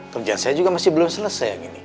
kerjaan saya juga masih belum selesai yang ini